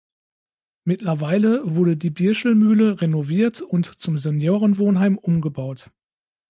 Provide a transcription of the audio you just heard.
Mittlerweile wurde die Birschel-Mühle renoviert und zum Seniorenwohnheim umgebaut.